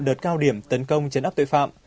đợt cao điểm tấn công chấn áp tội phạm